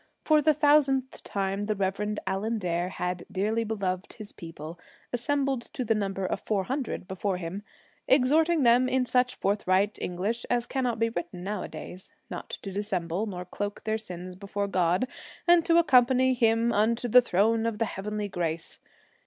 For the thousandth time the Reverend Allan Dare had dearly beloved his people, assembled to the number of four hundred before him, exhorting them in such forthright English as cannot be written nowadays, not to dissemble nor cloak their sins before God, and to accompany him unto the throne of the heavenly grace.